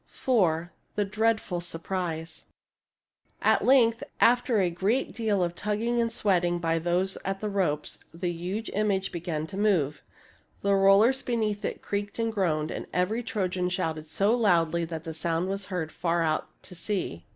V. THE DREADFUL SURPRISE At length, after a great deal of tugging and sweat ing by those at the ropes, the huge image began to move, the rollers beneath it creaked and groaned, and every Trojan shouted so loudly that the sound was heard far out to sea.